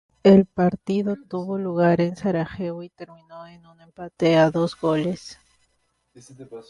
El partido tuvo lugar en Sarajevo y terminó en un empate a dos goles.